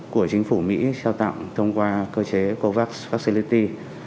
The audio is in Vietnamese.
của chính phủ mỹ trao tặng thông qua cơ chế covax barcellity